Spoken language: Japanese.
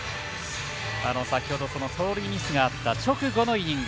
先ほど、走塁ミスがあった直後のイニング。